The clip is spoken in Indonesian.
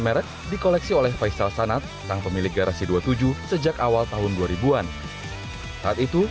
merek di koleksi oleh faisal sanad sang pemilik garasi dua puluh tujuh sejak awal tahun dua ribu an saat itu